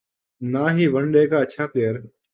نہ ہی one day کا اچھا پلئیر